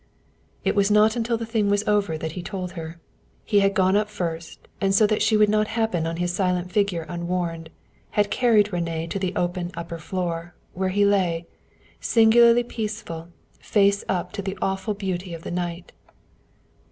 It was not until the thing was over that he told her. He had gone up first and so that she would not happen on his silent figure unwarned, had carried René to the open upper floor, where he lay, singularly peaceful, face up to the awful beauty of the night.